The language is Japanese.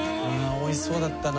おいしそうだったな。